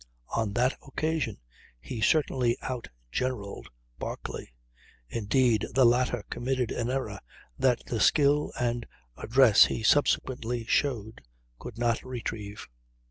On that occasion he certainly out generalled Barclay; indeed the latter committed an error that the skill and address he subsequently showed could not retrieve.